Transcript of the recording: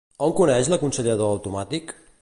On coneix l'aconsellador automàtic?